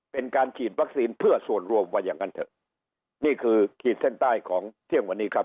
เป็นการฉีดวัคซีนเพื่อส่วนรวมว่าอย่างนั้นเถอะนี่คือขีดเส้นใต้ของเที่ยงวันนี้ครับ